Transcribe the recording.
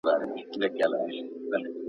فشار حافظه کمزوری کوي.